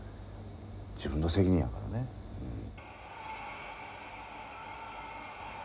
自分の責任やからねうん。